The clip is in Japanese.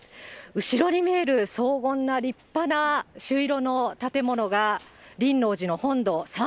後ろに見える荘厳な、立派な朱色の建物が輪王寺の本堂、さん